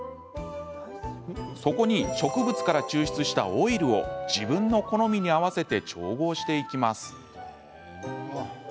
そこに植物から抽出したオイルを自分の好みに合わせて調合していきます。